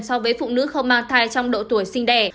so với phụ nữ không mang thai trong độ tuổi sinh đẻ